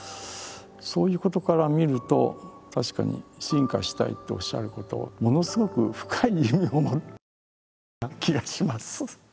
そういうことから見ると確かに「しんかしたい」っておっしゃることはものすごく深い意味を持っているような気がします。